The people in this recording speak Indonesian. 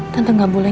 tante nggak boleh